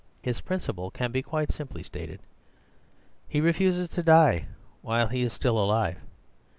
His principle can be quite simply stated: he refuses to die while he is still alive.